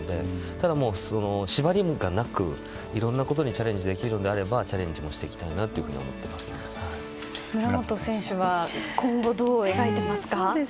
ただ、縛りがなくいろんなことにチャレンジできるならチャレンジもしていきたいなと村元選手は今後どう考えていますか？